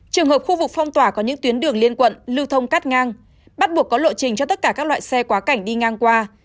trường hợp khu vực phong tỏa có những tuyến đường liên quận lưu thông cát ngang bắt buộc có lộ trình cho tất cả các loại xe quá cảnh đi ngang qua